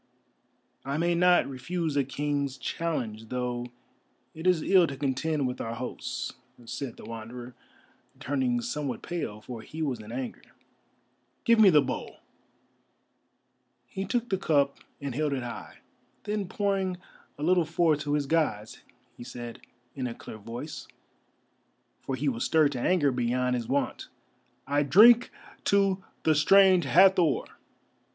"I may not refuse a King's challenge, though it is ill to contend with our hosts," said the Wanderer, turning somewhat pale, for he was in anger. "Give me the bowl!" He took the cup, and held it high; then pouring a little forth to his Gods, he said, in a clear voice, for he was stirred to anger beyond his wont: "_I drink to the Strange Hathor!